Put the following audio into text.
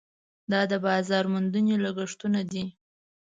دا د بازار موندنې لګښټونه دي.